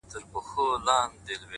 • والله ه چي په تا پسي مي سترگي وځي؛